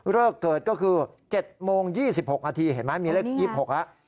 เริ่มโรคเกิดคือ๗โมง๒๖นาทีเห็นไหมมีเลข๒๖ครับ